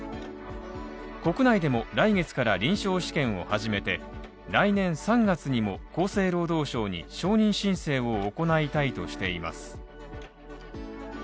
国内でも、来月から臨床試験を始めて、来年３月にも、厚生労働省に承認申請を行いたいとしています。